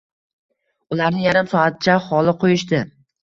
ularni yarim soatcha xoli qoʼyishdi.